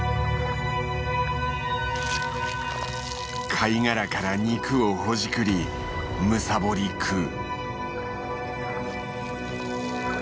貝殻から肉をほじくりむさぼり食う。